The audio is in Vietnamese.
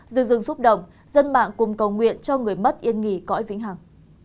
dừng dừng xúc động dân mạng cùng cầu nguyện cho người mất yên nghỉ cõi vĩnh hẳn